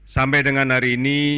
sampai dengan hari ini